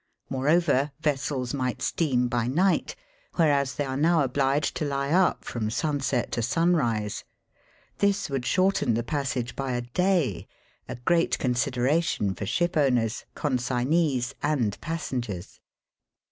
Moreover^ vessels might steam by night, whereas they are now obliged to he up from sunset to sun rise. This would shorten the passage by a day — a great consideration for shipowners, consignees, and passengers.